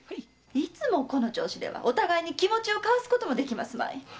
いつもこの調子ではお互いに気持ちを交わすこともできぬ。